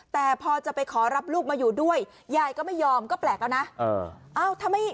แต่พอจะไปขอรับลูกมาอยู่ด้วยยายก็ไม่ยอมก็แปลกแล้วนะ